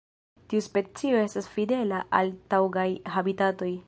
Tiu specio estas fidela al taŭgaj habitatoj.